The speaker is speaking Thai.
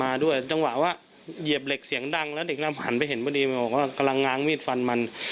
มาด้วยจังหวะเย็บเหล็กเสียงดังแล้วเห็นพวกเด็กที่บาดพี่ของหลังกำลังง้างมีดฟันมัน